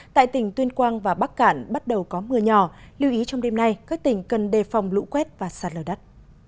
tại tỉnh tuyên quang và bắc cạn bắt đầu có mưa nhỏ lưu ý trong đêm nay các tỉnh cần đề phòng lũ quét và sạt lở đất